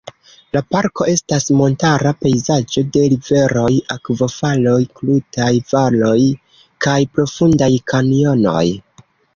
La parko estas montara pejzaĝo de riveroj, akvofaloj, krutaj valoj kaj profundaj kanjonoj.